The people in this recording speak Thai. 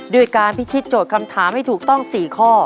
ด้วยการพิชิตโจทย์คำถามให้ถูกต้อง๔ข้อ